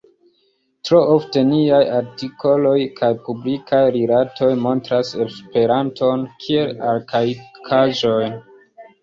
Tro ofte, niaj artikoloj kaj publikaj rilatoj montras Esperanton kiel arkaikaĵon.